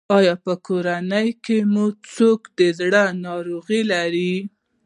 ایا په کورنۍ کې مو څوک د زړه ناروغي لري؟